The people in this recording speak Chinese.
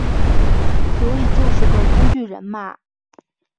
所以就是个工具人嘛